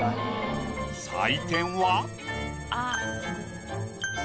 採点は。